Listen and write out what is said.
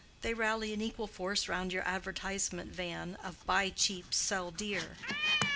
they rally in equal force round your advertisement van of "Buy cheap, sell dear."